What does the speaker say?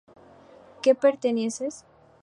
¿que partieses?